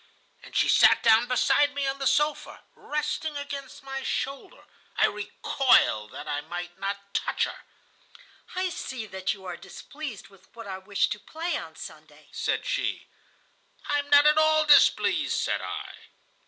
"And she sat down beside me on the sofa, resting against my shoulder. I recoiled, that I might not touch her. "'I see that you are displeased with what I wish to play on Sunday,' said she. "'I am not at all displeased,' said I.